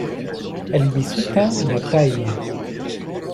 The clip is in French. Elle lui soutint la taille.